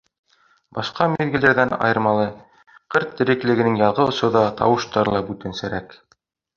Башҡа миҙгелдәрҙән айырмалы, ҡыр тереклегенең яҙғы осорҙа тауыштары ла бүтәнсәрәк.